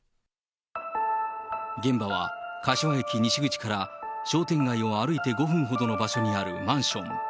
現場は柏駅西口から商店街を歩いて５分ほどの場所にあるマンション。